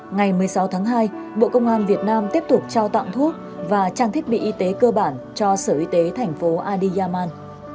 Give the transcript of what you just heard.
ngày một mươi sáu tháng hai bộ công an việt nam tiếp tục trao tặng thuốc và trang thiết bị y tế cơ bản cho sở y tế thành phố adi yaman